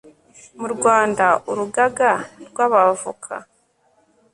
mu rwanda urugaga rw abavoka